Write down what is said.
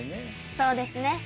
そうですね。